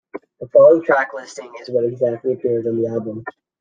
The following track listing is what exactly appears on the album.